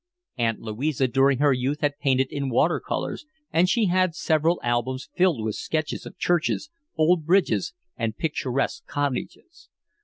Aunt Louisa during her youth had painted in water colours, and she had several albums filled with sketches of churches, old bridges, and picturesque cottages.